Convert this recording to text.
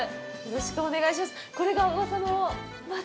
よろしくお願いします。